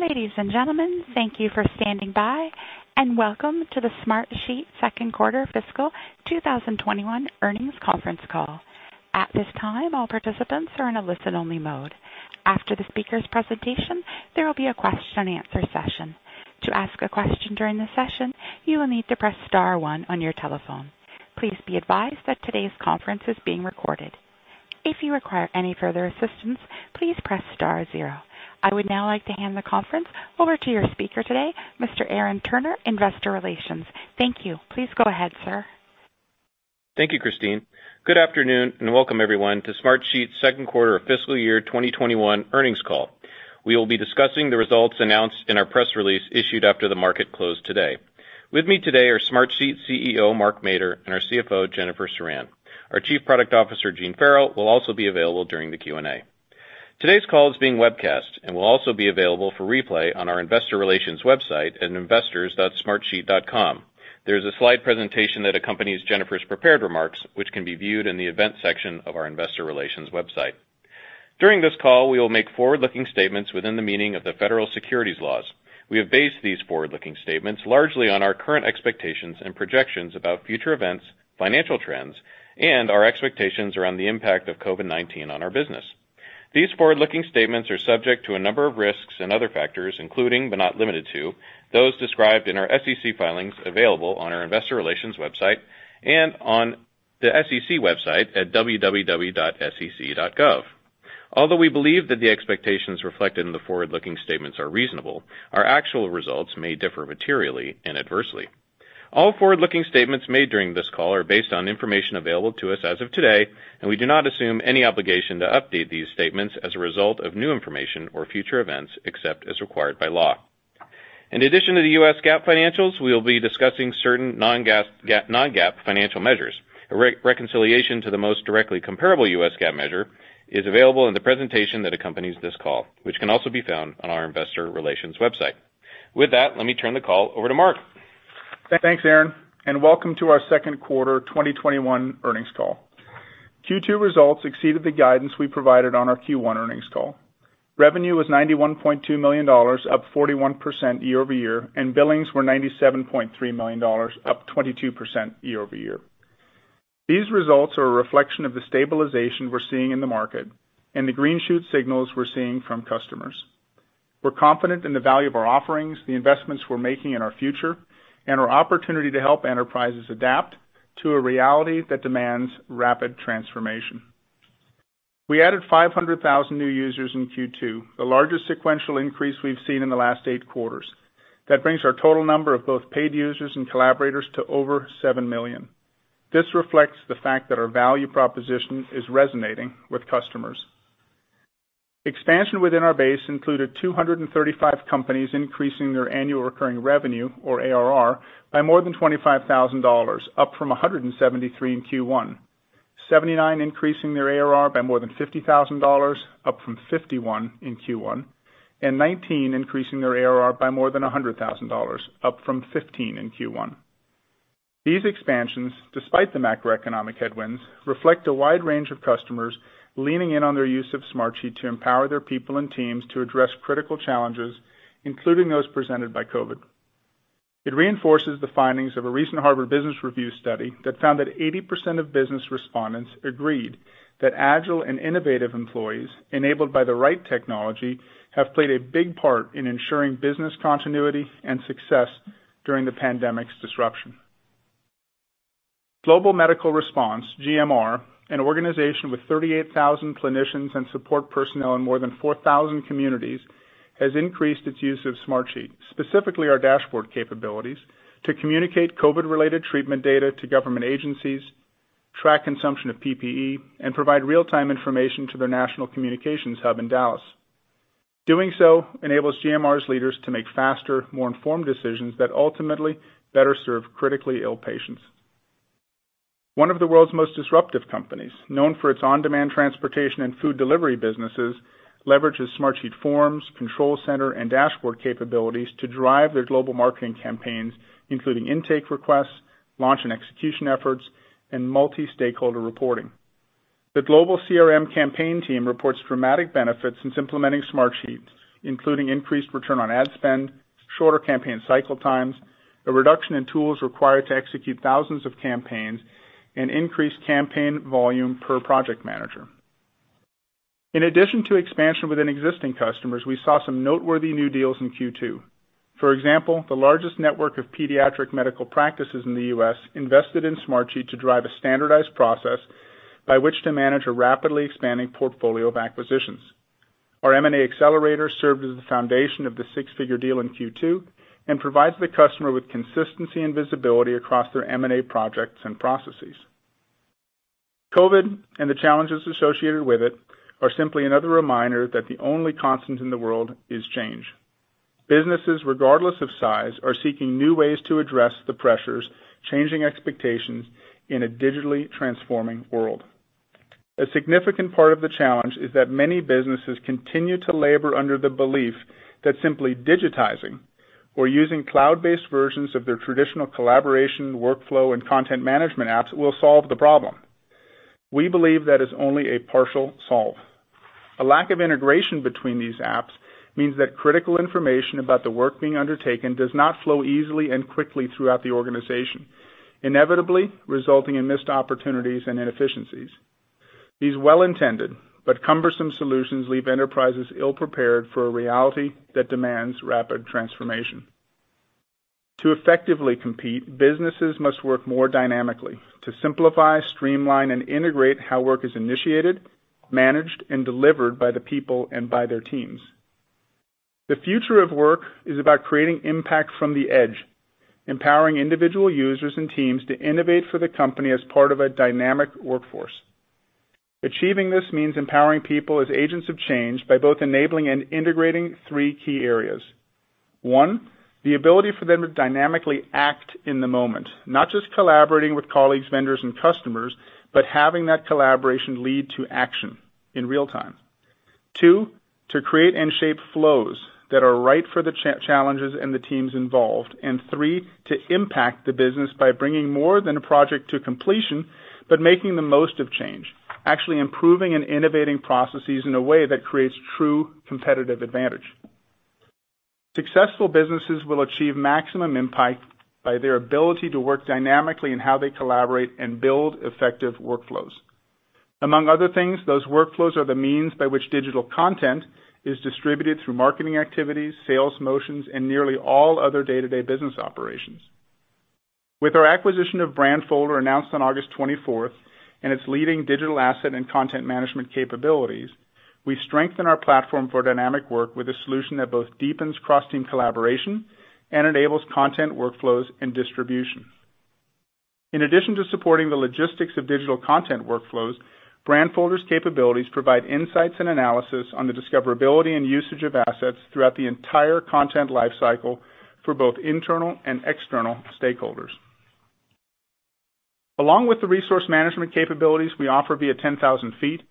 Ladies and gentlemen, thank you for standing by, and welcome to the Smartsheet Second Quarter Fiscal 2021 Earnings Conference Call. At this time, all participants are in a listen-only mode. After the speaker's presentation, there will be a question-and-answer session. I would now like to hand the conference over to your speaker today, Mr. Aaron Turner, Investor Relations. Thank you. Please go ahead, sir. Thank you, Christine. Good afternoon, and welcome everyone to Smartsheet's Second Quarter Fiscal Year 2021 Earnings Call. We will be discussing the results announced in our press release issued after the market closed today. With me today are Smartsheet CEO, Mark Mader, and our CFO, Jennifer Ceran. Our Chief Product Officer, Gene Farrell, will also be available during the Q&A. Today's call is being webcast and will also be available for replay on our Investor Relations website at investors.smartsheet.com. There is a slide presentation that accompanies Jennifer's prepared remarks, which can be viewed in the event section of our Investor Relations website. During this call, we will make forward-looking statements within the meaning of the federal securities laws. We have based these forward-looking statements largely on our current expectations and projections about future events, financial trends, and our expectations around the impact of COVID-19 on our business. These forward-looking statements are subject to a number of risks and other factors, including, but not limited to, those described in our SEC filings available on our Investor Relations website and on the SEC website at www.sec.gov. Although we believe that the expectations reflected in the forward-looking statements are reasonable, our actual results may differ materially and adversely. All forward-looking statements made during this call are based on information available to us as of today. We do not assume any obligation to update these statements as a result of new information or future events, except as required by law. In addition to the U.S. GAAP financials, we will be discussing certain non-GAAP financial measures. A reconciliation to the most directly comparable U.S. GAAP measure is available in the presentation that accompanies this call, which can also be found on our Investor Relations website. With that, let me turn the call over to Mark. Thanks, Aaron, welcome to our second quarter 2021 earnings call. Q2 results exceeded the guidance we provided on our Q1 earnings call. Revenue was $91.2 million, up 41% year-over-year, and billings were $97.3 million, up 22% year-over-year. These results are a reflection of the stabilization we're seeing in the market and the green shoot signals we're seeing from customers. We're confident in the value of our offerings, the investments we're making in our future, and our opportunity to help enterprises adapt to a reality that demands rapid transformation. We added 500,000 new users in Q2, the largest sequential increase we've seen in the last eight quarters. That brings our total number of both paid users and collaborators to over seven million. This reflects the fact that our value proposition is resonating with customers. Expansion within our base included 235 companies increasing their annual recurring revenue, or ARR, by more than $25,000, up from 173 in Q1. 79 increasing their ARR by more than $50,000, up from 51 in Q1. 19 increasing their ARR by more than $100,000, up from 15 in Q1. These expansions, despite the macroeconomic headwinds, reflect a wide range of customers leaning in on their use of Smartsheet to empower their people and teams to address critical challenges, including those presented by COVID. It reinforces the findings of a recent Harvard Business Review study that found that 80% of business respondents agreed that agile and innovative employees, enabled by the right technology, have played a big part in ensuring business continuity and success during the pandemic's disruption. Global Medical Response, GMR, an organization with 38,000 clinicians and support personnel in more than 4,000 communities, has increased its use of Smartsheet, specifically our dashboard capabilities, to communicate COVID-related treatment data to government agencies, track consumption of PPE, and provide real-time information to their national communications hub in Dallas. Doing so enables GMR's leaders to make faster, more informed decisions that ultimately better serve critically ill patients. One of the world's most disruptive companies, known for its on-demand transportation and food delivery businesses, leverages Smartsheet forms, Control Center, and dashboard capabilities to drive their global marketing campaigns, including intake requests, launch and execution efforts, and multi-stakeholder reporting. The global CRM campaign team reports dramatic benefits since implementing Smartsheet, including increased return on ad spend, shorter campaign cycle times, a reduction in tools required to execute thousands of campaigns, and increased campaign volume per project manager. In addition to expansion within existing customers, we saw some noteworthy new deals in Q2. For example, the largest network of pediatric medical practices in the U.S. invested in Smartsheet to drive a standardized process by which to manage a rapidly expanding portfolio of acquisitions. Our M&A accelerator served as the foundation of the six-figure deal in Q2 and provides the customer with consistency and visibility across their M&A projects and processes. COVID and the challenges associated with it are simply another reminder that the only constant in the world is change. Businesses, regardless of size, are seeking new ways to address the pressures, changing expectations in a digitally transforming world. A significant part of the challenge is that many businesses continue to labor under the belief that simply digitizing or using cloud-based versions of their traditional collaboration, workflow, and content management apps will solve the problem. We believe that is only a partial solve. A lack of integration between these apps means that critical information about the work being undertaken does not flow easily and quickly throughout the organization, inevitably resulting in missed opportunities and inefficiencies. These well-intended but cumbersome solutions leave enterprises ill-prepared for a reality that demands rapid transformation. To effectively compete, businesses must work more dynamically to simplify, streamline, and integrate how work is initiated, managed, and delivered by the people and by their teams. The future of work is about creating impact from the edge, empowering individual users and teams to innovate for the company as part of a dynamic workforce. Achieving this means empowering people as agents of change by both enabling and integrating three key areas. One, the ability for them to dynamically act in the moment, not just collaborating with colleagues, vendors, and customers, but having that collaboration lead to action in real time. Two, to create and shape flows that are right for the challenges and the teams involved, and three, to impact the business by bringing more than a project to completion, but making the most of change, actually improving and innovating processes in a way that creates true competitive advantage. Successful businesses will achieve maximum impact by their ability to work dynamically in how they collaborate and build effective workflows. Among other things, those workflows are the means by which digital content is distributed through marketing activities, sales motions, and nearly all other day-to-day business operations. With our acquisition of Brandfolder announced on August 24th and its leading digital asset and content management capabilities, we strengthen our platform for dynamic work with a solution that both deepens cross-team collaboration and enables content workflows and distribution. In addition to supporting the logistics of digital content workflows, Brandfolder's capabilities provide insights and analysis on the discoverability and usage of assets throughout the entire content life cycle for both internal and external stakeholders. Along with the resource management capabilities we offer via 10,000ft,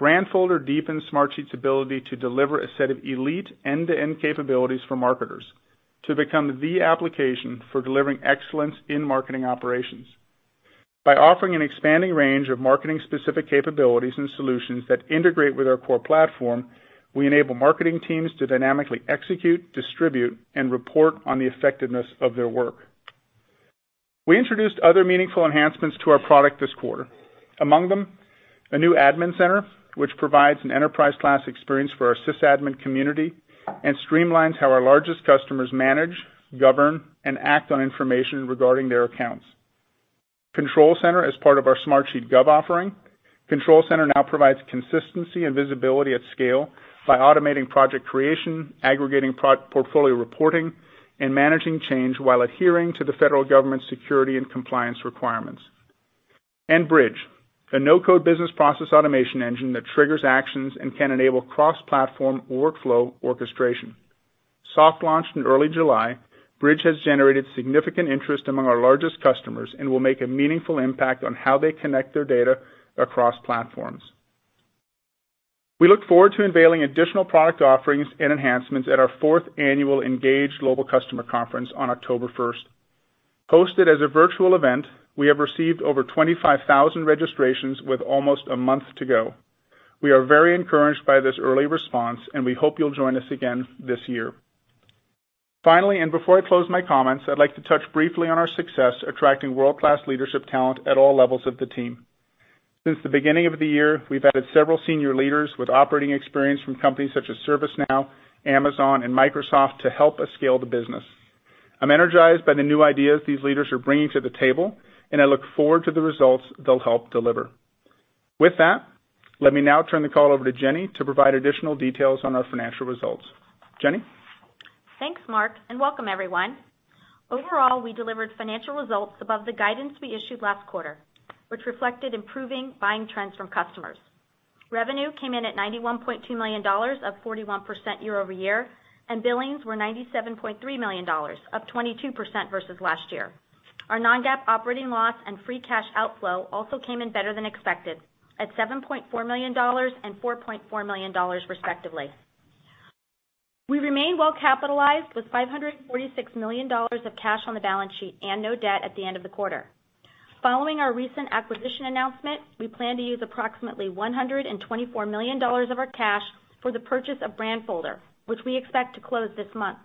Brandfolder deepens Smartsheet's ability to deliver a set of elite end-to-end capabilities for marketers to become the application for delivering excellence in marketing operations. By offering an expanding range of marketing-specific capabilities and solutions that integrate with our core platform, we enable marketing teams to dynamically execute, distribute, and report on the effectiveness of their work. We introduced other meaningful enhancements to our product this quarter. Among them, a new admin center, which provides an enterprise-class experience for our sys admin community and streamlines how our largest customers manage, govern, and act on information regarding their accounts. Control Center is part of our Smartsheet Gov offering. Control Center now provides consistency and visibility at scale by automating project creation, aggregating portfolio reporting, and managing change while adhering to the federal government's security and compliance requirements. Bridge, a no-code business process automation engine that triggers actions and can enable cross-platform workflow orchestration. Soft launch in early July, Bridge has generated significant interest among our largest customers and will make a meaningful impact on how they connect their data across platforms. We look forward to unveiling additional product offerings and enhancements at our fourth annual ENGAGE global customer conference on October 1st. Hosted as a virtual event, we have received over 25,000 registrations with almost a month to go. We are very encouraged by this early response. We hope you'll join us again this year. Finally, before I close my comments, I'd like to touch briefly on our success attracting world-class leadership talent at all levels of the team. Since the beginning of the year, we've added several senior leaders with operating experience from companies such as ServiceNow, Amazon, and Microsoft to help us scale the business. I'm energized by the new ideas these leaders are bringing to the table. I look forward to the results they'll help deliver. With that, let me now turn the call over to Jenny to provide additional details on our financial results. Jenny? Thanks, Mark, and welcome everyone. Overall, we delivered financial results above the guidance we issued last quarter, which reflected improving buying trends from customers. Revenue came in at $91.2 million, up 41% year-over-year. Billings were $97.3 million, up 22% versus last year. Our non-GAAP operating loss and free cash outflow also came in better than expected, at $7.4 million and $4.4 million respectively. We remain well capitalized with $546 million of cash on the balance sheet and no debt at the end of the quarter. Following our recent acquisition announcement, we plan to use approximately $124 million of our cash for the purchase of Brandfolder, which we expect to close this month.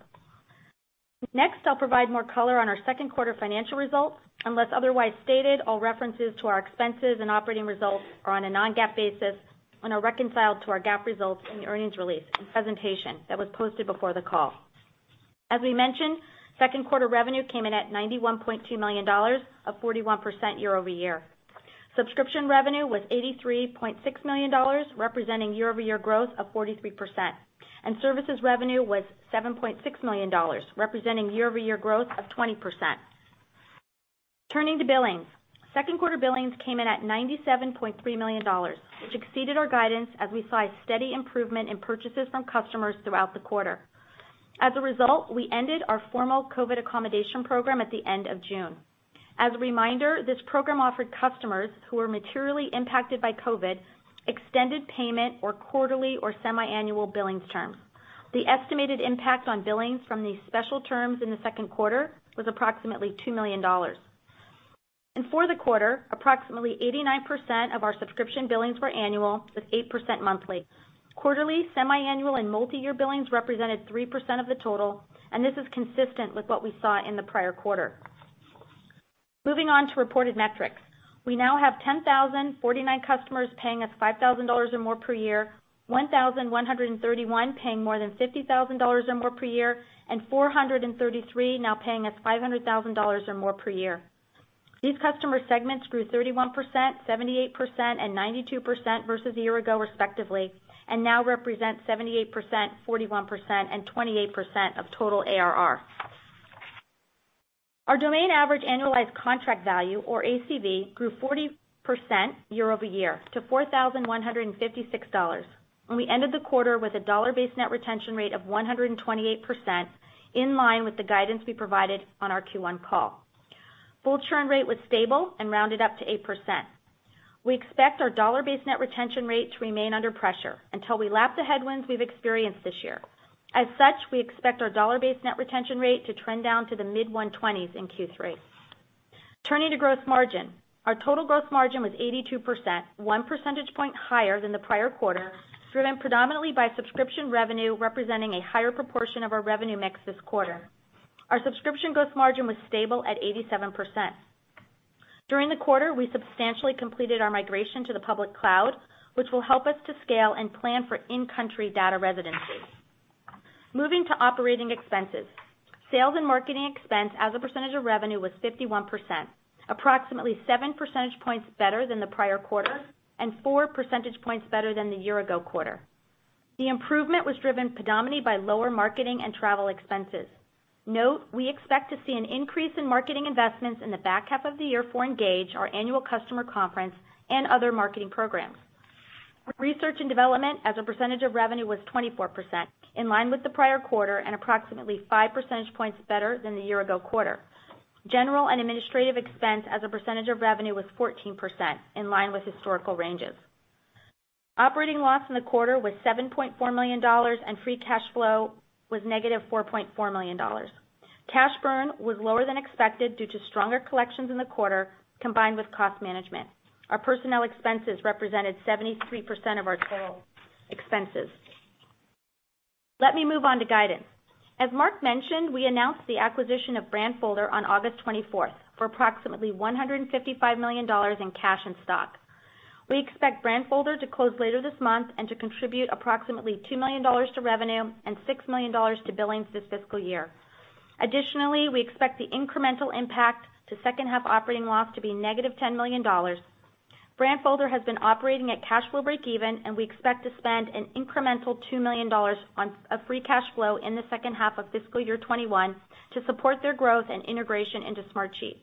I'll provide more color on our second quarter financial results. Unless otherwise stated, all references to our expenses and operating results are on a non-GAAP basis and are reconciled to our GAAP results in the earnings release and presentation that was posted before the call. As we mentioned, second quarter revenue came in at $91.2 million, up 41% year-over-year. Subscription revenue was $83.6 million, representing year-over-year growth of 43%, and services revenue was $7.6 million, representing year-over-year growth of 20%. Turning to billings. Second quarter billings came in at $97.3 million, which exceeded our guidance as we saw a steady improvement in purchases from customers throughout the quarter. As a result, we ended our formal COVID accommodation program at the end of June. As a reminder, this program offered customers who were materially impacted by COVID extended payment or quarterly or semiannual billings terms. The estimated impact on billings from these special terms in the second quarter was approximately $2 million. For the quarter, approximately 89% of our subscription billings were annual, with 8% monthly. Quarterly, semiannual, and multi-year billings represented 3% of the total, and this is consistent with what we saw in the prior quarter. Moving on to reported metrics. We now have 10,049 customers paying us $5,000 or more per year, 1,131 paying more than $50,000 or more per year, and 433 now paying us $500,000 or more per year. These customer segments grew 31%, 78%, and 92% versus a year ago, respectively, and now represent 78%, 41%, and 28% of total ARR. Our domain average annualized contract value, or ACV, grew 40% year-over-year to $4,156, and we ended the quarter with a dollar-based net retention rate of 128%, in line with the guidance we provided on our Q1 call. Full churn rate was stable and rounded up to 8%. We expect our dollar-based net retention rate to remain under pressure until we lap the headwinds we've experienced this year. As such, we expect our dollar-based net retention rate to trend down to the mid-120s in Q3. Turning to gross margin. Our total gross margin was 82%, 1 percentage point higher than the prior quarter, driven predominantly by subscription revenue representing a higher proportion of our revenue mix this quarter. Our subscription gross margin was stable at 87%. During the quarter, we substantially completed our migration to the public cloud, which will help us to scale and plan for in-country data residencies. Moving to operating expenses. Sales and marketing expense as a percentage of revenue was 51%, approximately 7 percentage points better than the prior quarter, and 4 percentage points better than the year-ago quarter. The improvement was driven predominantly by lower marketing and travel expenses. Note, we expect to see an increase in marketing investments in the back half of the year for ENGAGE, our annual customer conference, and other marketing programs. Research and development as a percentage of revenue was 24%, in line with the prior quarter, and approximately 5 percentage points better than the year-ago quarter. General and administrative expense as a percentage of revenue was 14%, in line with historical ranges. Operating loss in the quarter was $7.4 million, and free cash flow was negative $4.4 million. Cash burn was lower than expected due to stronger collections in the quarter, combined with cost management. Our personnel expenses represented 73% of our total expenses. Let me move on to guidance. As Mark mentioned, we announced the acquisition of Brandfolder on August 24th for approximately $155 million in cash and stock. We expect Brandfolder to close later this month and to contribute approximately $2 million to revenue and $6 million to billings this fiscal year. We expect the incremental impact to second-half operating loss to be -$10 million. Brandfolder has been operating at cash flow breakeven, and we expect to spend an incremental $2 million of free cash flow in the second-half of fiscal year 2021 to support their growth and integration into Smartsheet.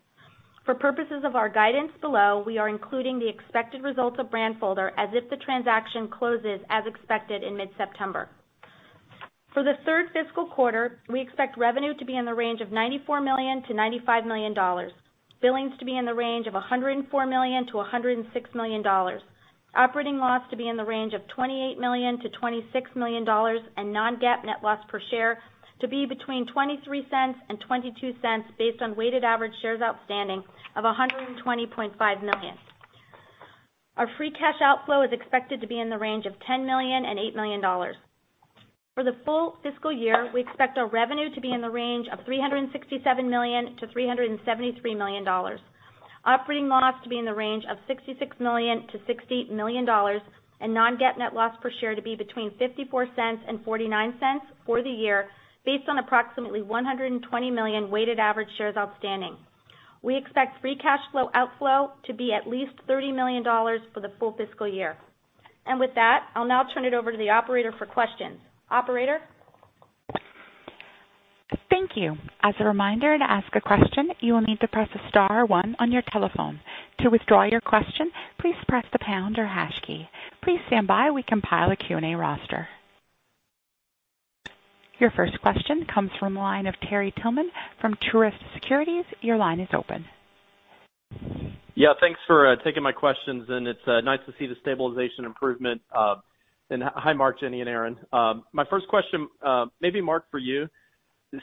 For purposes of our guidance below, we are including the expected results of Brandfolder as if the transaction closes, as expected, in mid-September. For the third fiscal quarter, we expect revenue to be in the range of $94 million-$95 million, billings to be in the range of $104 million-$106 million, operating loss to be in the range of $28 million-$26 million, and non-GAAP net loss per share to be between $0.23 and $0.22 based on weighted average shares outstanding of 120.5 million. Our free cash outflow is expected to be in the range of $10 million-$8 million. For the full fiscal year, we expect our revenue to be in the range of $367 million-$373 million, operating loss to be in the range of $66 million-$68 million, and non-GAAP net loss per share to be between $0.54 and $0.49 for the year based on approximately 120 million weighted average shares outstanding. We expect free cash flow outflow to be at least $30 million for the full fiscal year. With that, I'll now turn it over to the operator for questions. Operator? Thank you. As a reminder to ask a question, you need to press star one on your telephone. To withdraw your question, please press the pound or hash key. Please stand by while we compile a Q&A roster. Your first question comes from the line of Terry Tillman from Truist Securities. Your line is open. Yeah, thanks for taking my questions. It's nice to see the stabilization improvement. Hi, Mark, Jenny, and Aaron. My first question, maybe Mark, for you.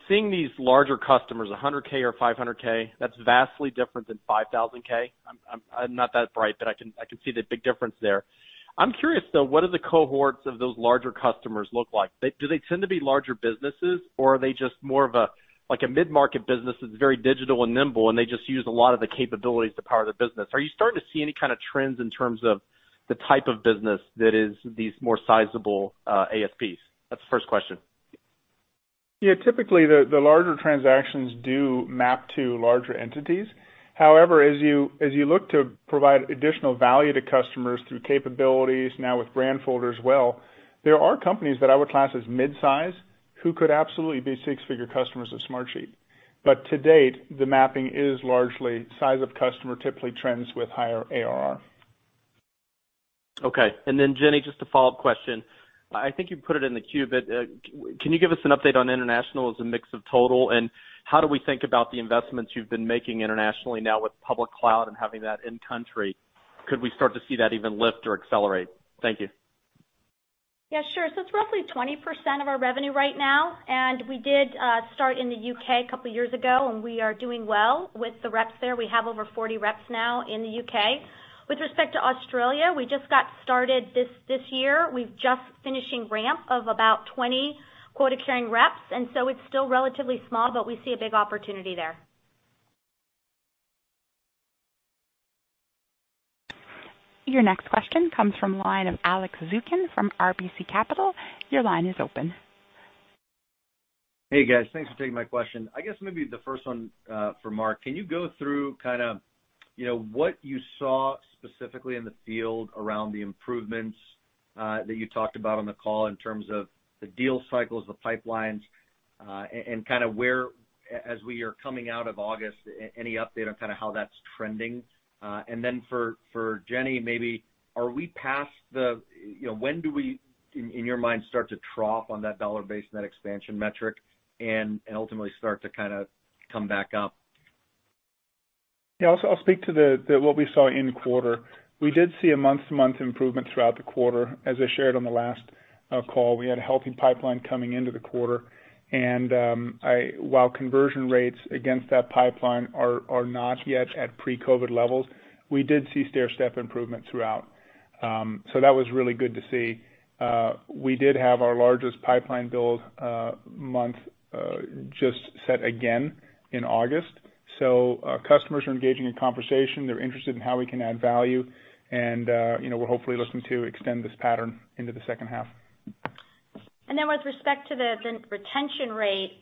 Seeing these larger customers, $100,000 or $500,000, that's vastly different than $5,000,000. I'm not that bright, but I can see the big difference there. I'm curious, though, what do the cohorts of those larger customers look like? Do they tend to be larger businesses, or are they just more of a mid-market business that's very digital and nimble, and they just use a lot of the capabilities to power their business? Are you starting to see any kind of trends in terms of the type of business that is these more sizable ASPs? That's the first question. Yeah. Typically, the larger transactions do map to larger entities. However, as you look to provide additional value to customers through capabilities now with Brandfolder as well, there are companies that I would class as midsize who could absolutely be six-figure customers of Smartsheet. To date, the mapping is largely size of customer typically trends with higher ARR. Okay. Then Jenny, just a follow-up question. I think you put it in the queue, but can you give us an update on international as a mix of total, and how do we think about the investments you've been making internationally now with public cloud and having that in-country? Could we start to see that even lift or accelerate? Thank you. Yeah, sure. It's roughly 20% of our revenue right now, and we did start in the U.K. a couple of years ago, and we are doing well with the reps there. We have over 40 reps now in the U.K. With respect to Australia, we just got started this year. We've just finishing ramp of about 20 quota-carrying reps, and it's still relatively small, but we see a big opportunity there. Your next question comes from the line of Alex Zukin from RBC Capital. Your line is open. Hey, guys. Thanks for taking my question. I guess maybe the first one for Mark. Can you go through what you saw specifically in the field around the improvements that you talked about on the call in terms of the deal cycles, the pipelines, and where, as we are coming out of August, any update on how that's trending? Then for Jenny, maybe are we past the when do we, in your mind, start to trough on that dollar-based net expansion metric and ultimately start to come back up? Yeah. I'll speak to what we saw in quarter. We did see a month-to-month improvement throughout the quarter. As I shared on the last call, we had a healthy pipeline coming into the quarter. While conversion rates against that pipeline are not yet at pre-COVID levels, we did see stair-step improvement throughout. That was really good to see. We did have our largest pipeline build month just set again in August. Customers are engaging in conversation. They're interested in how we can add value, and we're hopefully looking to extend this pattern into the second half. Then with respect to the retention rate,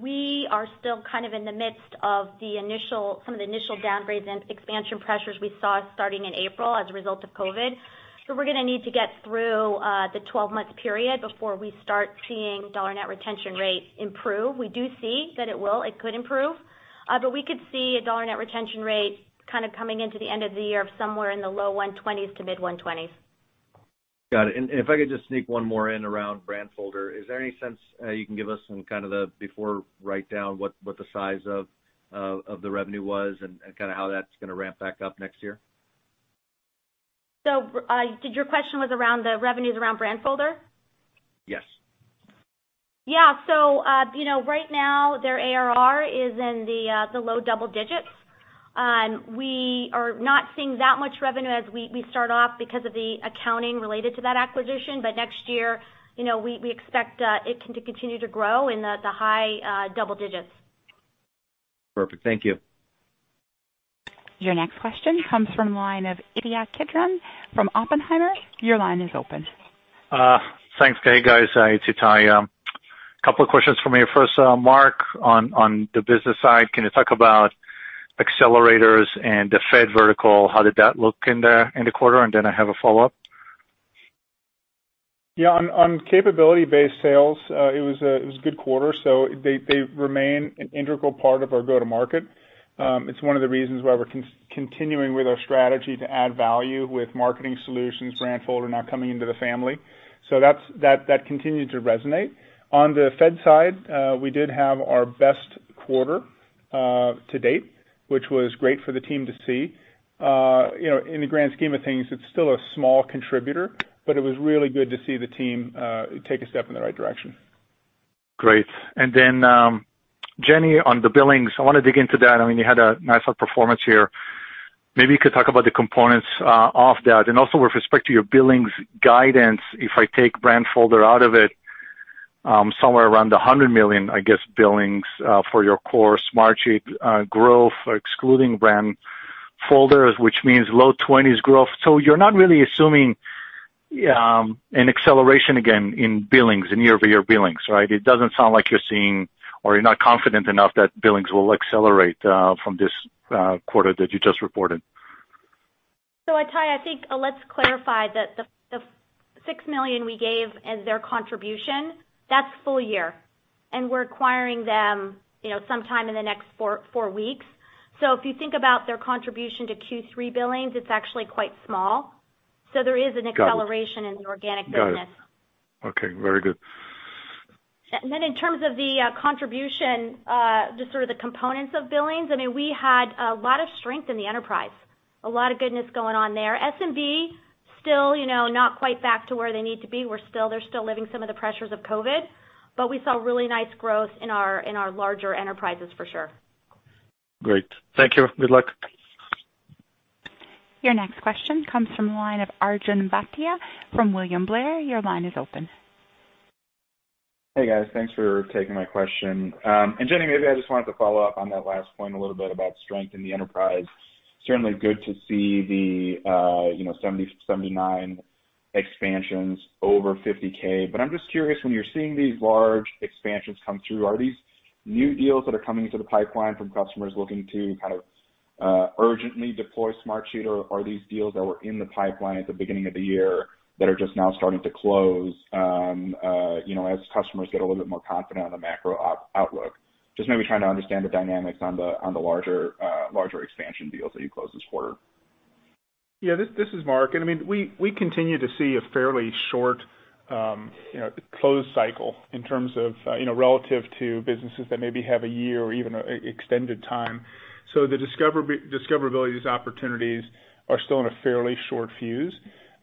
we are still in the midst of some of the initial downgrades and expansion pressures we saw starting in April as a result of COVID. We're going to need to get through the 12-month period before we start seeing dollar net retention rate improve. We do see that it will, it could improve, but we could see a dollar net retention rate coming into the end of the year of somewhere in the low 120s to mid 120s. Got it. If I could just sneak one more in around Brandfolder, is there any sense you can give us on the before write-down, what the size of the revenue was and how that's going to ramp back up next year? Your question was around the revenues around Brandfolder? Yes. Yeah. Right now, their ARR is in the low double digits. We are not seeing that much revenue as we start off because of the accounting related to that acquisition. Next year, we expect it to continue to grow in the high double digits. Perfect. Thank you. Your next question comes from the line of Ittai Kidron from Oppenheimer. Your line is open. Thanks. Hey, guys. It's Ittai. Couple of questions for me. First, Mark, on the business side, can you talk about accelerators and the Fed vertical? How did that look in the quarter? I have a follow-up. Yeah. On capability-based sales, it was a good quarter. They remain an integral part of our go-to-market. It's one of the reasons why we're continuing with our strategy to add value with marketing solutions, Brandfolder now coming into the family. That continued to resonate. On the Fed side, we did have our best quarter to date, which was great for the team to see. In the grand scheme of things, it's still a small contributor, but it was really good to see the team take a step in the right direction. Jenny, on the billings, I want to dig into that. You had a nice performance here. Maybe you could talk about the components of that. With respect to your billings guidance, if I take Brandfolder out of it, somewhere around the $100 million, I guess, billings for your core Smartsheet growth, excluding Brandfolder, which means low 20s growth. You're not really assuming an acceleration again in year-over-year billings, right? It doesn't sound like you're seeing, or you're not confident enough that billings will accelerate from this quarter that you just reported. Ittai, I think let's clarify that the $6 million we gave as their contribution, that's full year, and we're acquiring them sometime in the next four weeks. If you think about their contribution to Q3 billings, it's actually quite small. There is an acceleration- Got it. -in the organic business. Okay. Very good. In terms of the contribution, just sort of the components of billings, we had a lot of strength in the enterprise, a lot of goodness going on there. SMB, still not quite back to where they need to be. They're still living some of the pressures of COVID, but we saw really nice growth in our larger enterprises for sure. Great. Thank you. Good luck. Your next question comes from the line of Arjun Bhatia from William Blair. Your line is open. Hey, guys. Thanks for taking my question. Jenny, maybe I just wanted to follow up on that last point a little bit about strength in the enterprise. Certainly good to see the 79 expansions over 50,000. I'm just curious, when you're seeing these large expansions come through, are these new deals that are coming into the pipeline from customers looking to urgently deploy Smartsheet, or are these deals that were in the pipeline at the beginning of the year that are just now starting to close as customers get a little bit more confident on the macro outlook? Just maybe trying to understand the dynamics on the larger expansion deals that you closed this quarter. This is Mark. We continue to see a fairly short close cycle in terms of relative to businesses that maybe have a year or even extended time. The discoverability of these opportunities are still in a fairly short fuse.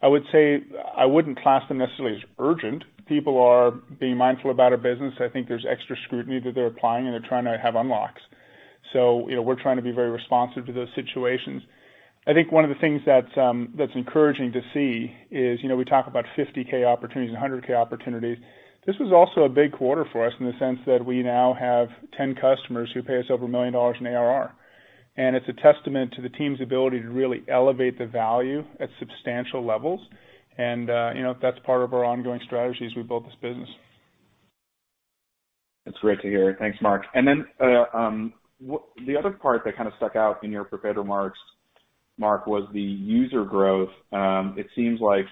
I would say I wouldn't class them necessarily as urgent. People are being mindful about our business. I think there's extra scrutiny that they're applying, and they're trying to have unlocks. We're trying to be very responsive to those situations. I think one of the things that's encouraging to see is, we talk about 50,000 opportunities and 100,000 opportunities. This was also a big quarter for us in the sense that we now have 10 customers who pay us over $1 million in ARR. It's a testament to the team's ability to really elevate the value at substantial levels. That's part of our ongoing strategy as we build this business. That's great to hear. Thanks, Mark. Then, the other part that kind of stuck out in your prepared remarks, Mark, was the user growth. It seems like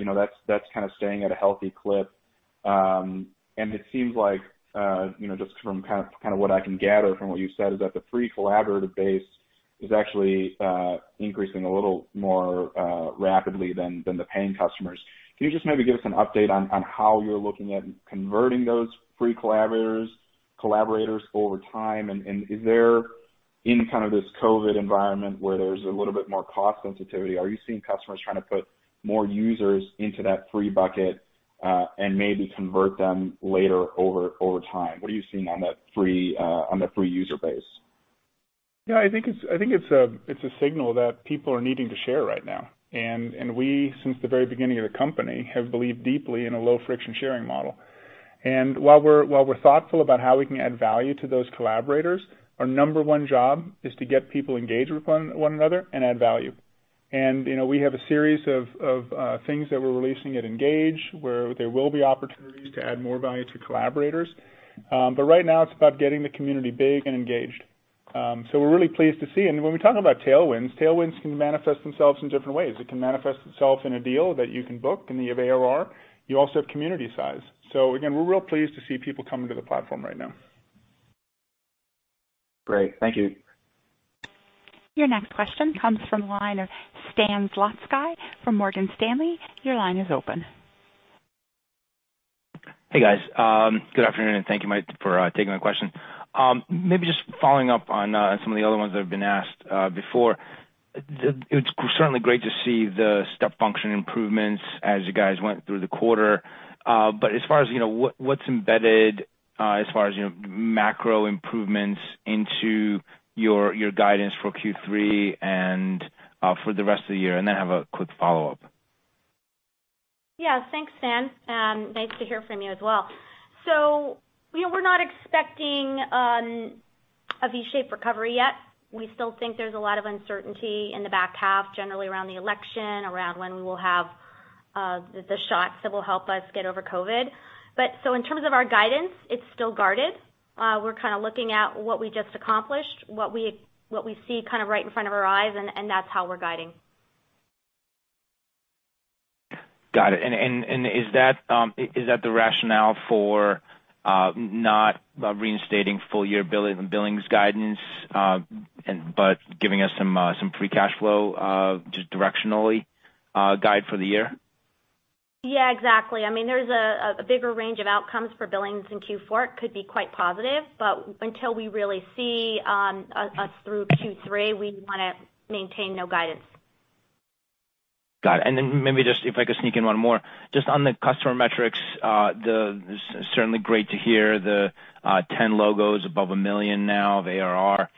that's kind of staying at a healthy clip. It seems like, just from what I can gather from what you've said, is that the free collaborative base is actually increasing a little more rapidly than the paying customers. Can you just maybe give us an update on how you're looking at converting those free collaborators over time, and is there, in this COVID environment where there's a little bit more cost sensitivity, are you seeing customers trying to put more users into that free bucket, and maybe convert them later over time? What are you seeing on the free user base? Yeah, I think it's a signal that people are needing to share right now. We, since the very beginning of the company, have believed deeply in a low-friction sharing model. While we're thoughtful about how we can add value to those collaborators, our number one job is to get people engaged with one another and add value. We have a series of things that we're releasing at ENGAGE, where there will be opportunities to add more value to collaborators. Right now, it's about getting the community big and engaged. We're really pleased to see. When we talk about tailwinds can manifest themselves in different ways. It can manifest itself in a deal that you can book in the way of ARR. You also have community size. Again, we're real pleased to see people coming to the platform right now. Great. Thank you. Your next question comes from the line of Stan Zlotsky from Morgan Stanley. Your line is open. Hey, guys. Good afternoon. Thank you for taking my question. Maybe just following up on some of the other ones that have been asked before. It's certainly great to see the step function improvements as you guys went through the quarter. As far as what's embedded as far as macro improvements into your guidance for Q3 and for the rest of the year. I have a quick follow-up. Yeah. Thanks, Stan. Nice to hear from you as well. We're not expecting a V-shaped recovery yet. We still think there's a lot of uncertainty in the back half, generally around the election, around when we will have the shots that will help us get over COVID. In terms of our guidance, it's still guarded. We're kind of looking at what we just accomplished, what we see right in front of our eyes, and that's how we're guiding. Got it. Is that the rationale for not reinstating full-year billings guidance, but giving us some free cash flow, just directionally guide for the year? Yeah, exactly. There's a bigger range of outcomes for billings in Q4. It could be quite positive, but until we really see us through Q3, we want to maintain no guidance. Got it. Maybe just if I could sneak in one more. Just on the customer metrics, it's certainly great to hear the 10 logos above $1 million now of ARR.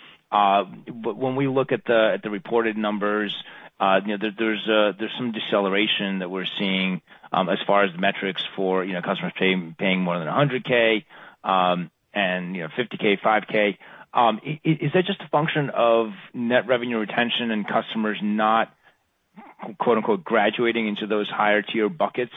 When we look at the reported numbers, there's some deceleration that we're seeing as far as the metrics for customers paying more than $100,000, and $50,000, $5,000. Is that just a function of net revenue retention and customers not "graduating" into those higher tier buckets?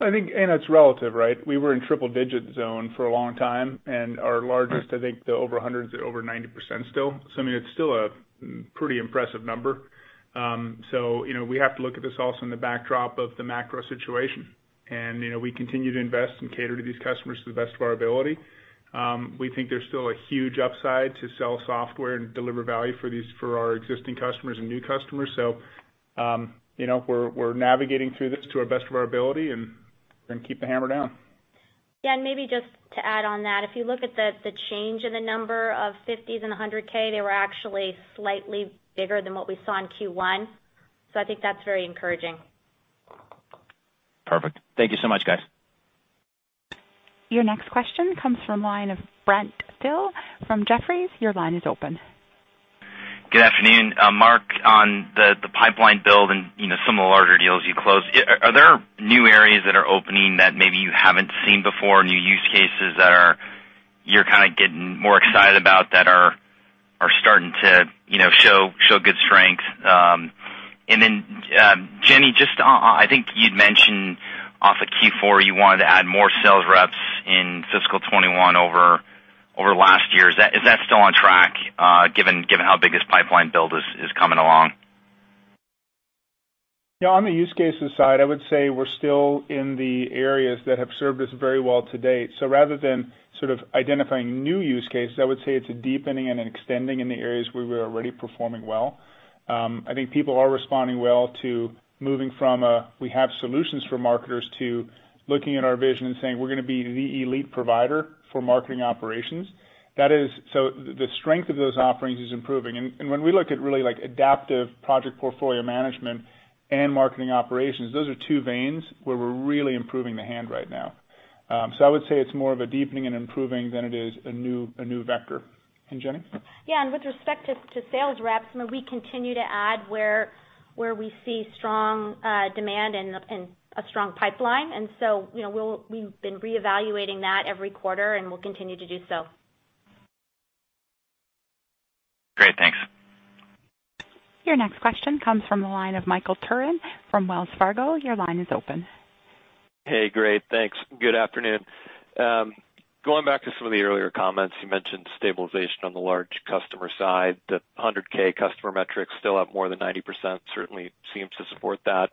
I think it's relative, right? We were in triple-digit zone for a long time, and our largest, I think, the over $100,000 is over 90% still. I mean, it's still a pretty impressive number. We have to look at this also in the backdrop of the macro situation. We continue to invest and cater to these customers to the best of our ability. We think there's still a huge upside to sell software and deliver value for our existing customers and new customers. We're navigating through this to our best of our ability and then keep the hammer down. Yeah, maybe just to add on that, if you look at the change in the number of $50,000 and $100,000, they were actually slightly bigger than what we saw in Q1. I think that's very encouraging. Perfect. Thank you so much, guys. Your next question comes from line of Brent Thill from Jefferies. Your line is open. Good afternoon. Mark, on the pipeline build and some of the larger deals you closed, are there new areas that are opening that maybe you haven't seen before, new use cases that you're kind of getting more excited about that are starting to show good strength? Jenny, just I think you'd mentioned off of Q4, you wanted to add more sales reps in fiscal 2021 over last year. Is that still on track given how big this pipeline build is? On the use cases side, I would say we're still in the areas that have served us very well to date. Rather than identifying new use cases, I would say it's a deepening and an extending in the areas where we're already performing well. I think people are responding well to moving from a, we have solutions for marketers, to looking at our vision and saying, we're going to be the elite provider for marketing operations. The strength of those offerings is improving. When we look at really adaptive project portfolio management and marketing operations, those are two veins where we're really improving the hand right now. I would say it's more of a deepening and improving than it is a new vector. Jenny? Yeah. With respect to sales reps, we continue to add where we see strong demand and a strong pipeline. We've been re-evaluating that every quarter, and we'll continue to do so. Great. Thanks. Your next question comes from the line of Michael Turrin from Wells Fargo. Your line is open. Hey. Great. Thanks. Good afternoon. Going back to some of the earlier comments, you mentioned stabilization on the large customer side. The 100,000 customer metrics still up more than 90% certainly seems to support that.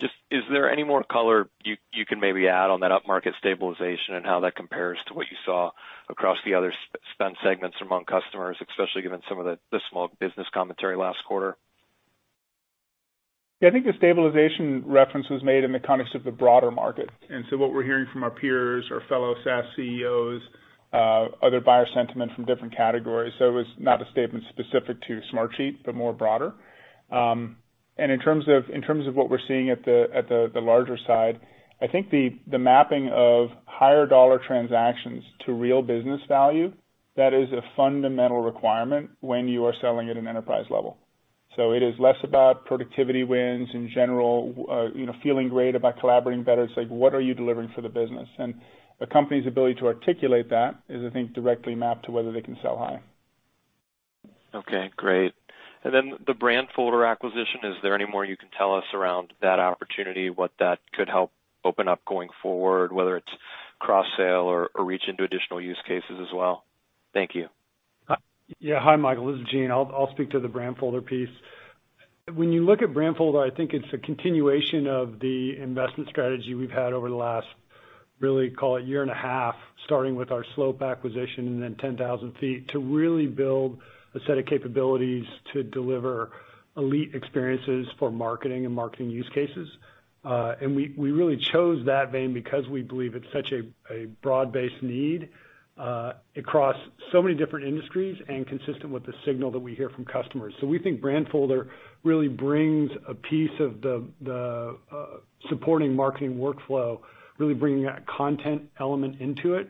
Just is there any more color you can maybe add on that upmarket stabilization and how that compares to what you saw across the other spend segments among customers, especially given some of the small business commentary last quarter? Yeah. I think the stabilization reference was made in the context of the broader market. What we're hearing from our peers, our fellow SaaS CEOs, other buyer sentiment from different categories. It was not a statement specific to Smartsheet, but more broader. In terms of what we're seeing at the larger side, I think the mapping of higher dollar transactions to real business value, that is a fundamental requirement when you are selling at an enterprise level. It is less about productivity wins in general, feeling great about collaborating better. It's like, what are you delivering for the business? A company's ability to articulate that is, I think, directly mapped to whether they can sell high. Okay. Great. The Brandfolder acquisition, is there any more you can tell us around that opportunity, what that could help open up going forward, whether it's cross-sale or reach into additional use cases as well? Thank you. Yeah. Hi, Michael. This is Gene. I'll speak to the Brandfolder piece. When you look at Brandfolder, I think it's a continuation of the investment strategy we've had over the last, really call it year and a half, starting with our Slope acquisition and then 10,000ft, to really build a set of capabilities to deliver elite experiences for marketing and marketing use cases. We really chose that vein because we believe it's such a broad-based need across so many different industries and consistent with the signal that we hear from customers. We think Brandfolder really brings a piece of the supporting marketing workflow, really bringing that content element into it,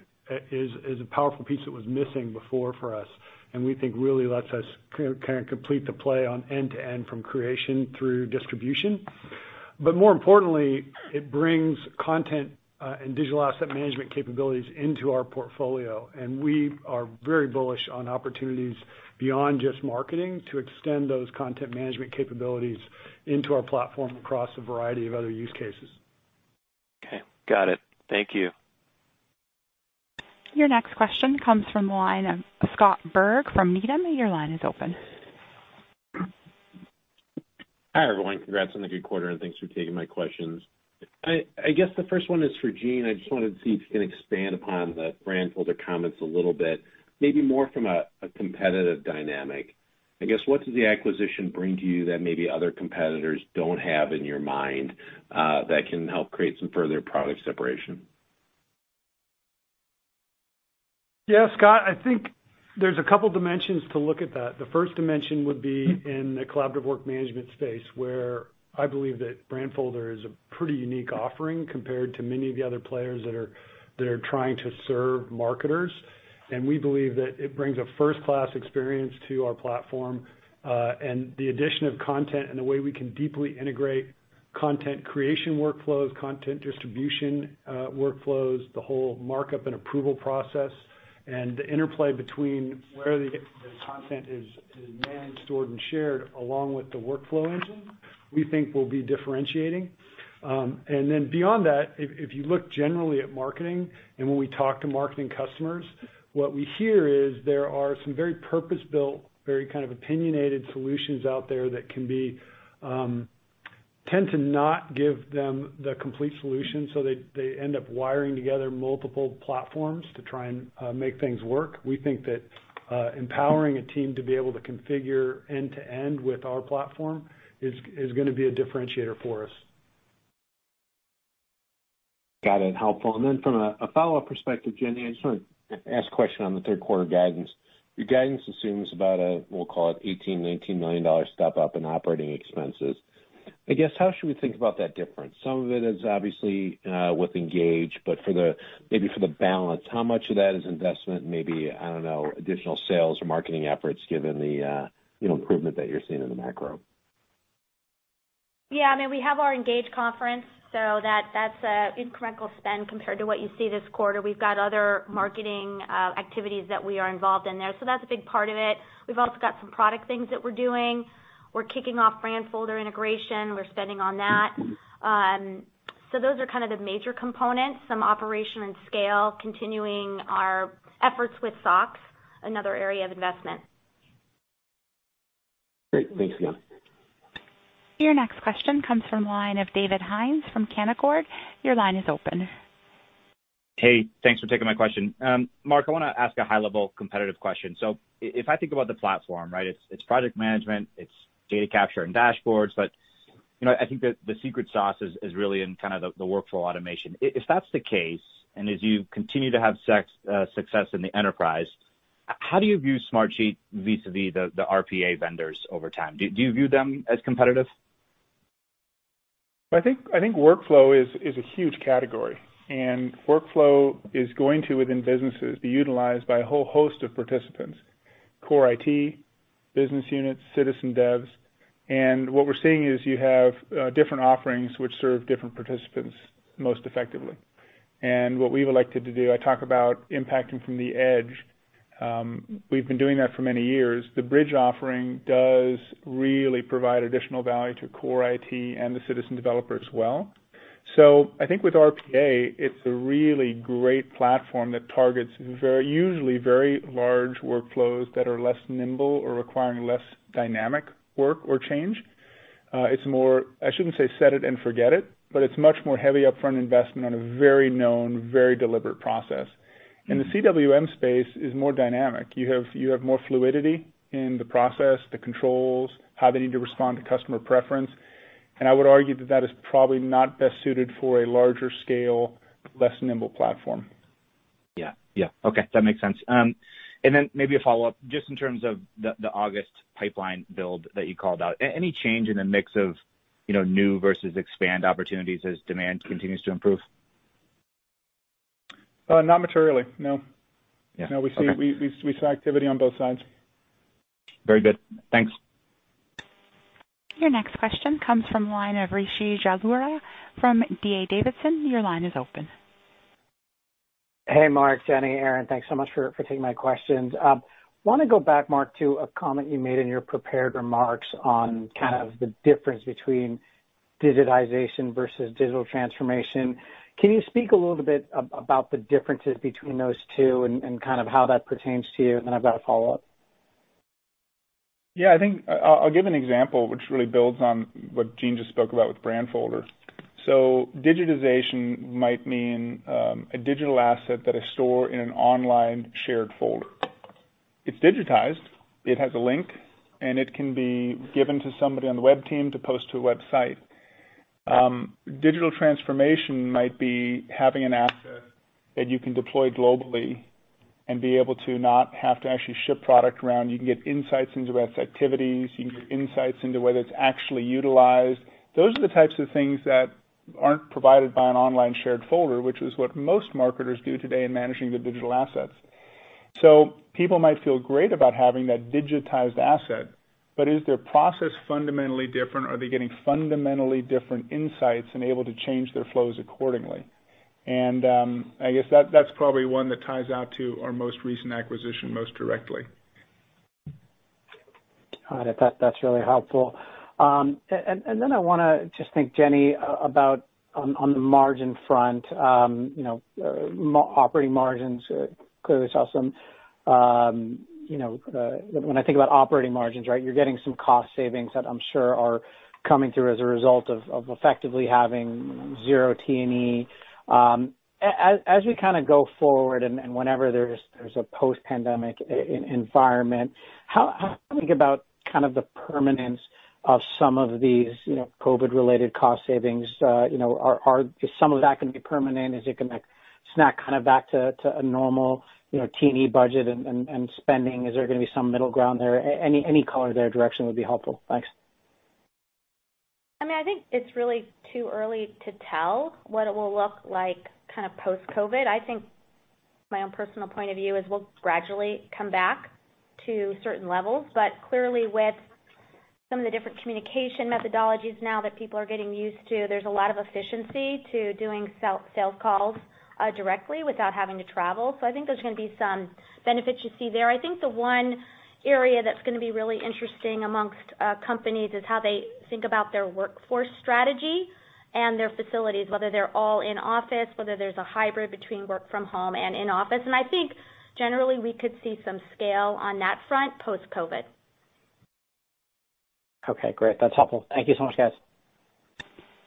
is a powerful piece that was missing before for us. We think really lets us complete the play on end-to-end from creation through distribution. More importantly, it brings content and digital asset management capabilities into our portfolio, and we are very bullish on opportunities beyond just marketing to extend those content management capabilities into our platform across a variety of other use cases. Okay. Got it. Thank you. Your next question comes from the line of Scott Berg from Needham. Your line is open. Hi, everyone. Congrats on the good quarter, and thanks for taking my questions. I guess the first one is for Gene. I just wanted to see if you can expand upon the Brandfolder comments a little bit, maybe more from a competitive dynamic. I guess, what does the acquisition bring to you that maybe other competitors don't have in your mind, that can help create some further product separation? Yeah, Scott, I think there's a couple dimensions to look at that. The first dimension would be in the collaborative work management space, where I believe that Brandfolder is a pretty unique offering compared to many of the other players that are trying to serve marketers. We believe that it brings a first-class experience to our platform, and the addition of content and the way we can deeply integrate content creation workflows, content distribution workflows, the whole markup and approval process, and the interplay between where the content is managed, stored, and shared along with the workflow engine, we think will be differentiating. Beyond that, if you look generally at marketing and when we talk to marketing customers, what we hear is there are some very purpose-built, very kind of opinionated solutions out there that tend to not give them the complete solution. They end up wiring together multiple platforms to try and make things work. We think that empowering a team to be able to configure end-to-end with our platform is going to be a differentiator for us. Got it. Helpful. From a follow-up perspective, Jenny, I just want to ask a question on the third quarter guidance. Your guidance assumes about a, we'll call it $18 million, $19 million step-up in operating expenses. I guess, how should we think about that difference? Some of it is obviously with ENGAGE, but maybe for the balance, how much of that is investment, maybe, I don't know, additional sales or marketing efforts given the improvement that you're seeing in the macro? Yeah. I mean, we have our ENGAGE conference, that's incremental spend compared to what you see this quarter. We've got other marketing activities that we are involved in there, that's a big part of it. We've also got some product things that we're doing. We're kicking off Brandfolder integration. We're spending on that. Those are kind of the major components. Some operation and scale, continuing our efforts with SOX, another area of investment. Great. Thanks, Jennifer. Your next question comes from the line of David Hynes from Canaccord. Your line is open. Hey, thanks for taking my question. Mark, I want to ask a high-level competitive question. If I think about the platform, right? It's project management, it's data capture and dashboards, but I think the secret sauce is really in kind of the workflow automation. If that's the case, and as you continue to have success in the enterprise, how do you view Smartsheet vis-a-vis the RPA vendors over time? Do you view them as competitive? I think workflow is a huge category, and workflow is going to, within businesses, be utilized by a whole host of participants, core IT, business units, citizen devs. What we're seeing is you have different offerings which serve different participants most effectively. What we've elected to do, I talk about impacting from the edge. We've been doing that for many years. The Bridge offering does really provide additional value to core IT and the citizen developer as well. I think with RPA, it's a really great platform that targets usually very large workflows that are less nimble or requiring less dynamic work or change. It's more, I shouldn't say set it and forget it, but it's much more heavy upfront investment on a very known, very deliberate process. The CWM space is more dynamic. You have more fluidity in the process, the controls, how they need to respond to customer preference. I would argue that that is probably not best suited for a larger scale, less nimble platform. Yeah. Okay. That makes sense. Then maybe a follow-up, just in terms of the August pipeline build that you called out. Any change in the mix of new versus expand opportunities as demand continues to improve? Not materially, no. Yeah, okay. No, we see activity on both sides. Very good. Thanks. Your next question comes from the line of Rishi Jaluria from D.A. Davidson. Your line is open. Hey, Mark, Jenny, Aaron, thanks so much for taking my questions. I want to go back, Mark, to a comment you made in your prepared remarks on kind of the difference between digitization versus digital transformation. Can you speak a little bit about the differences between those two and kind of how that pertains to you? Then I've got a follow-up. I think I'll give an example which really builds on what Gene just spoke about with Brandfolders. Digitization might mean, a digital asset that is stored in an online shared folder. It's digitized, it has a link, and it can be given to somebody on the web team to post to a website. Digital transformation might be having an asset that you can deploy globally and be able to not have to actually ship product around. You can get insights into web activities. You can get insights into whether it's actually utilized. Those are the types of things that aren't provided by an online shared folder, which is what most marketers do today in managing their digital assets. People might feel great about having that digitized asset, but is their process fundamentally different? Are they getting fundamentally different insights and able to change their flows accordingly? I guess that's probably one that ties out to our most recent acquisition most directly. Got it. That's really helpful. I want to just think, Jenny, about on the margin front, operating margins, right? You're getting some cost savings that I'm sure are coming through as a result of effectively having zero T&E. As we kind of go forward and whenever there's a post-pandemic environment, how do you think about kind of the permanence of some of these COVID-related cost savings? Is some of that going to be permanent? Is it going to snap kind of back to a normal T&E budget and spending? Is there going to be some middle ground there? Any color there, direction would be helpful. Thanks. I think it's really too early to tell what it will look like kind of post-COVID. I think my own personal point of view is we'll gradually come back to certain levels. Clearly with some of the different communication methodologies now that people are getting used to, there's a lot of efficiency to doing sales calls directly without having to travel. I think there's going to be some benefits you see there. I think the one area that's going to be really interesting amongst companies is how they think about their workforce strategy and their facilities, whether they're all in office, whether there's a hybrid between work from home and in office. I think generally we could see some scale on that front post-COVID. Okay, great. That's helpful. Thank you so much, guys.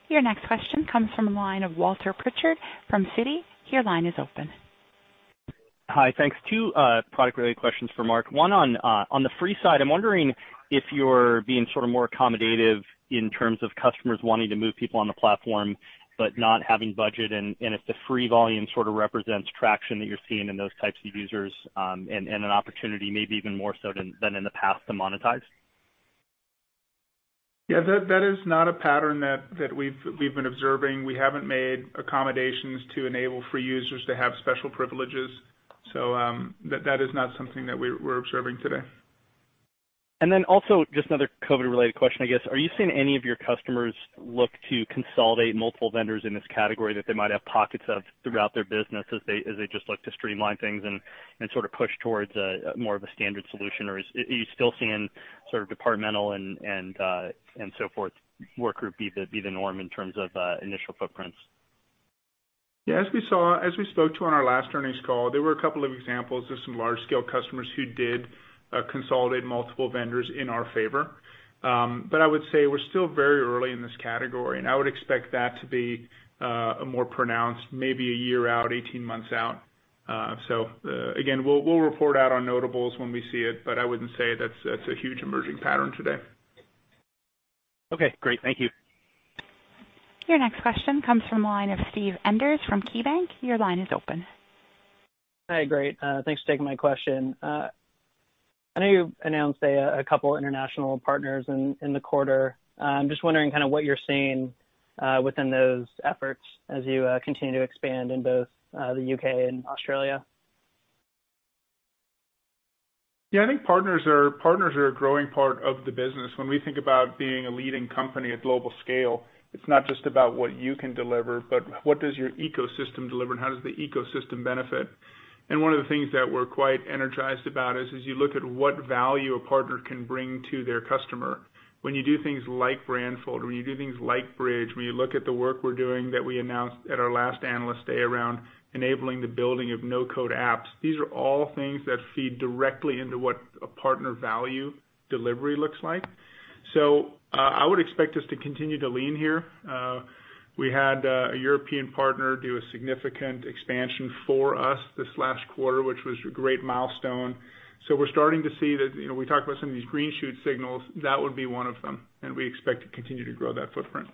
Your next question comes from the line of Walter Pritchard from Citi. Your line is open. Hi. Thanks. Two product-related questions for Mark. One on the free side, I'm wondering if you're being sort of more accommodative in terms of customers wanting to move people on the platform but not having budget, if the free volume sort of represents traction that you're seeing in those types of users, and an opportunity maybe even more so than in the past to monetize. Yeah, that is not a pattern that we've been observing. We haven't made accommodations to enable free users to have special privileges. That is not something that we're observing today. Also just another COVID-related question, I guess. Are you seeing any of your customers look to consolidate multiple vendors in this category that they might have pockets of throughout their business as they just look to streamline things and sort of push towards more of a standard solution? Are you still seeing sort of departmental and so forth work group be the norm in terms of initial footprints? Yeah, as we spoke to on our last earnings call, there were a couple of examples of some large-scale customers who did consolidate multiple vendors in our favor. I would say we're still very early in this category, and I would expect that to be more pronounced maybe a year out, 18 months out. Again, we'll report out on notables when we see it, but I wouldn't say that's a huge emerging pattern today. Okay, great. Thank you. Your next question comes from the line of Steve Enders from KeyBanc. Your line is open. Hi. Great. Thanks for taking my question. I know you announced a couple international partners in the quarter. I'm just wondering kind of what you're seeing within those efforts as you continue to expand in both the U.K. and Australia. Yeah, I think partners are a growing part of the business. When we think about being a leading company at global scale, it's not just about what you can deliver, but what does your ecosystem deliver and how does the ecosystem benefit. One of the things that we're quite energized about is, as you look at what value a partner can bring to their customer when you do things like Brandfolder, when you do things like Bridge, when you look at the work we're doing that we announced at our last analyst day around enabling the building of no-code apps, these are all things that feed directly into what a partner value delivery looks like. I would expect us to continue to lean here. We had a European partner do a significant expansion for us this last quarter, which was a great milestone. We're starting to see that, we talked about some of these green shoot signals, that would be one of them, and we expect to continue to grow that footprint.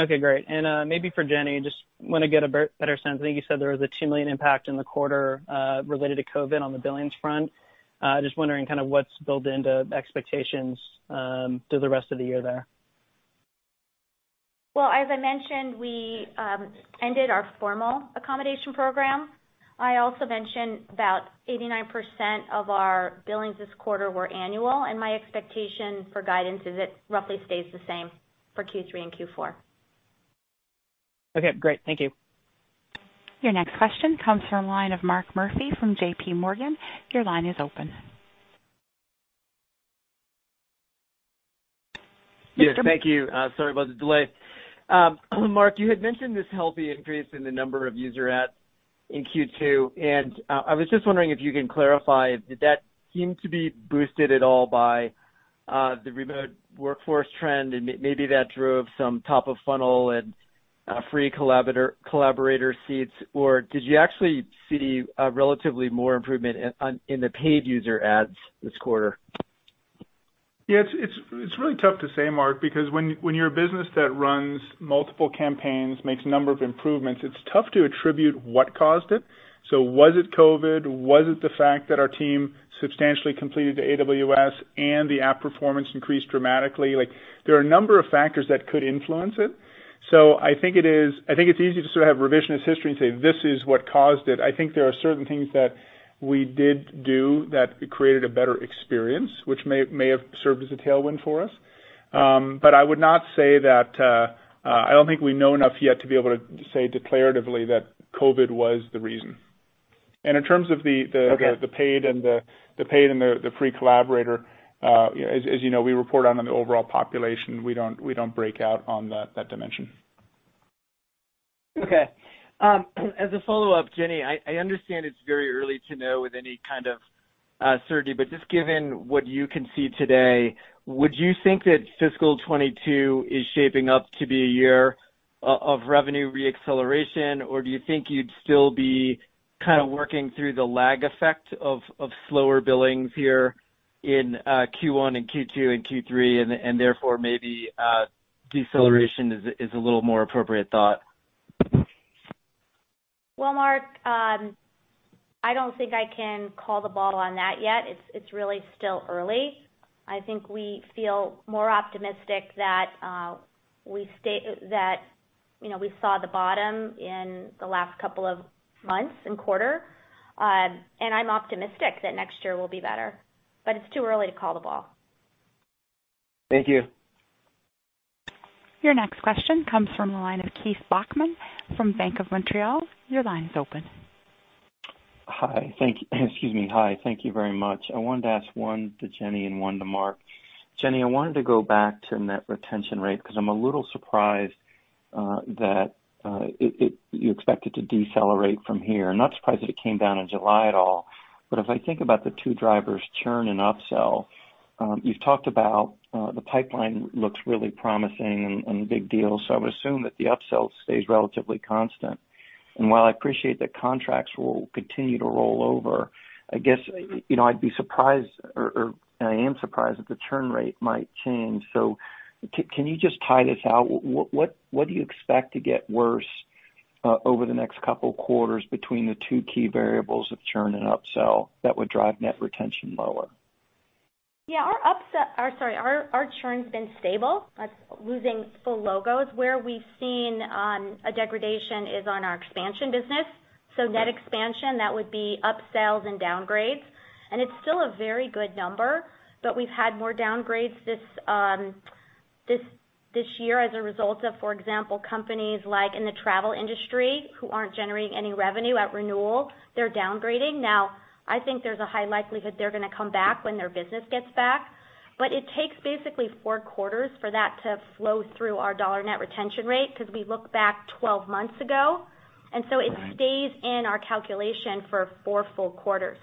Okay, great. Maybe for Jenny, just want to get a better sense. I think you said there was a $2 million impact in the quarter related to COVID on the billings front. Just wondering kind of what's built into expectations through the rest of the year there. Well, as I mentioned, we ended our formal accommodation program. I also mentioned about 89% of our billings this quarter were annual, and my expectation for guidance is it roughly stays the same for Q3 and Q4. Okay, great. Thank you. Your next question comes from line of Mark Murphy from JPMorgan. Your line is open. Yes. Thank you. Sorry about the delay. Mark, you had mentioned this healthy increase in the number of user adds in Q2, and I was just wondering if you can clarify, did that seem to be boosted at all by the remote workforce trend, and maybe that drove some top-of-funnel and free collaborator seats, or did you actually see relatively more improvement in the paid user adds this quarter? Yeah. It's really tough to say, Mark, because when you're a business that runs multiple campaigns, makes a number of improvements, it's tough to attribute what caused it. Was it COVID? Was it the fact that our team substantially completed the AWS and the app performance increased dramatically? There are a number of factors that could influence it. I think it's easy to sort of have revisionist history and say, "This is what caused it." I think there are certain things that we did do that created a better experience, which may have served as a tailwind for us. I don't think we know enough yet to be able to say declaratively that COVID was the reason. Okay The paid and the free collaborator, as you know, we report on an overall population. We don't break out on that dimension. Okay. As a follow-up, Jenny, I understand it's very early to know with any kind of certainty, but just given what you can see today, would you think that fiscal 2022 is shaping up to be a year of revenue re-acceleration, or do you think you'd still be kind of working through the lag effect of slower billings here in Q1 and Q2 and Q3, and therefore maybe deceleration is a little more appropriate thought? Well, Mark, I don't think I can call the ball on that yet. It's really still early. I think we feel more optimistic that we saw the bottom in the last couple of months and quarter. I'm optimistic that next year will be better, but it's too early to call the ball. Thank you. Your next question comes from the line of Keith Bachman from BMO Capital Markets. Your line is open. Hi. Thank you very much. I wanted to ask one to Jenny and one to Mark. Jenny, I wanted to go back to net retention rate because I'm a little surprised that you expect it to decelerate from here. Not surprised that it came down in July at all. If I think about the two drivers, churn and upsell, you've talked about the pipeline looks really promising and big deals, so I would assume that the upsell stays relatively constant. While I appreciate that contracts will continue to roll over, I guess I am surprised that the churn rate might change. Can you just tie this out? What do you expect to get worse over the next couple of quarters between the two key variables of churn and upsell that would drive net retention lower? Yeah. Our churn's been stable. That's losing full logos. Where we've seen a degradation is on our expansion business. Net expansion, that would be upsells and downgrades. It's still a very good number, but we've had more downgrades this year as a result of, for example, companies like in the travel industry who aren't generating any revenue at renewal. They're downgrading. Now, I think there's a high likelihood they're going to come back when their business gets back. It takes basically four quarters for that to flow through our dollar net retention rate because we look back 12 months ago. Right. It stays in our calculation for four full quarters.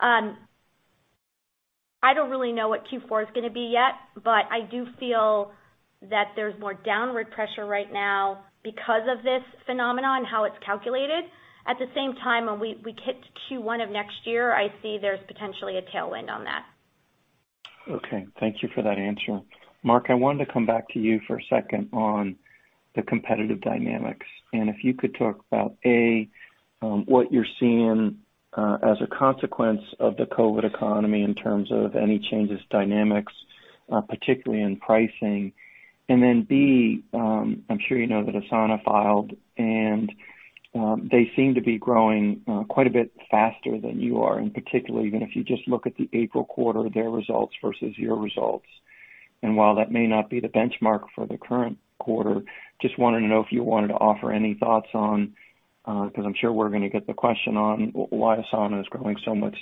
I don't really know what Q4 is going to be yet, but I do feel that there's more downward pressure right now because of this phenomenon, how it's calculated. At the same time, when we hit Q1 of next year, I see there's potentially a tailwind on that. Okay. Thank you for that answer. Mark, I wanted to come back to you for a second on the competitive dynamics. If you could talk about, A), what you're seeing as a consequence of the COVID economy in terms of any changes, dynamics, particularly in pricing. Then, B), I'm sure you know that Asana filed, and they seem to be growing quite a bit faster than you are, and particularly even if you just look at the April quarter, their results versus your results. While that may not be the benchmark for the current quarter, just wanted to know if you wanted to offer any thoughts on, because I'm sure we're going to get the question on why Asana is growing so much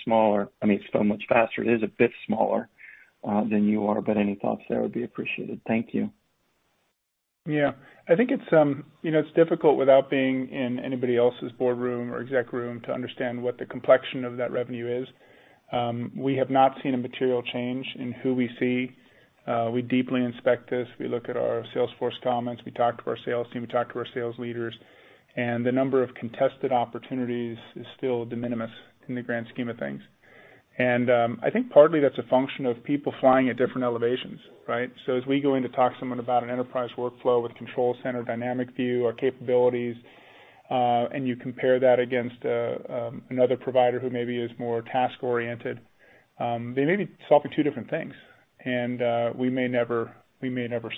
faster. It is a bit smaller than you are. Any thoughts there would be appreciated. Thank you. Yeah. I think it's difficult without being in anybody else's boardroom or exec room to understand what the complexion of that revenue is. We have not seen a material change in who we see. We deeply inspect this. We look at our sales force comments, we talk to our sales team, we talk to our sales leaders. The number of contested opportunities is still de minimis in the grand scheme of things. I think partly that's a function of people flying at different elevations, right? As we go in to talk to someone about an enterprise workflow with Control Center Dynamic View or capabilities, and you compare that against another provider who maybe is more task-oriented, they may be solving two different things, and we may never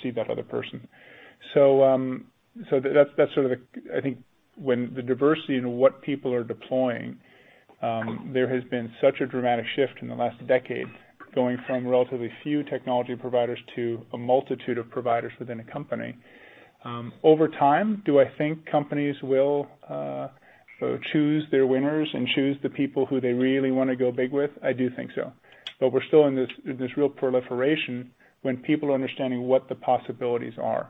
see that other person. That's I think when the diversity in what people are deploying, there has been such a dramatic shift in the last decade, going from relatively few technology providers to a multitude of providers within a company. Over time, do I think companies will choose their winners and choose the people who they really want to go big with? I do think so. We're still in this real proliferation when people are understanding what the possibilities are.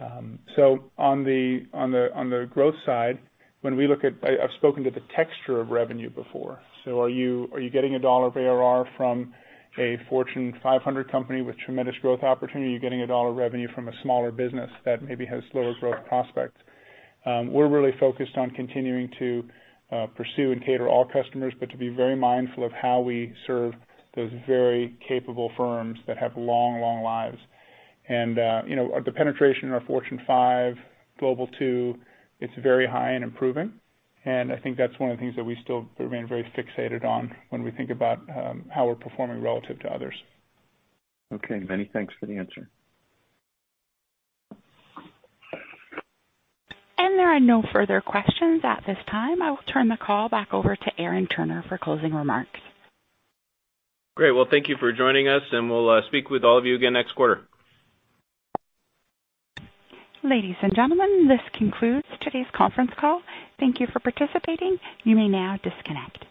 On the growth side, I've spoken to the texture of revenue before. Are you getting $1 of ARR from a Fortune 500 company with tremendous growth opportunity? Are you getting $1 of revenue from a smaller business that maybe has slower growth prospects? We're really focused on continuing to pursue and cater all customers, to be very mindful of how we serve those very capable firms that have long, long lives. The penetration in our Fortune 500, Global 2000, it's very high and improving, I think that's one of the things that we still remain very fixated on when we think about how we're performing relative to others. Okay. Many thanks for the answer. There are no further questions at this time. I will turn the call back over to Aaron Turner for closing remarks. Great. Well, thank you for joining us, and we'll speak with all of you again next quarter. Ladies and gentlemen, this concludes today's conference call. Thank you for participating. You may now disconnect.